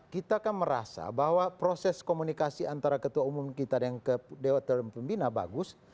kita kan merasa bahwa proses komunikasi antara ketua umum kita dengan dewan pembina bagus